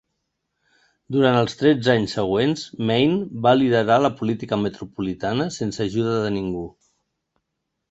Durant els tretze anys següents, Mayne va liderar la política metropolitana sense ajuda de ningú.